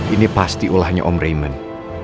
ini pasti olahnya om raymond